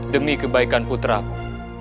demi kebaikan putraku